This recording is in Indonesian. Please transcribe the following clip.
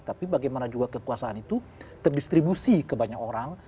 tapi bagaimana juga kekuasaan itu terdistribusi ke banyak orang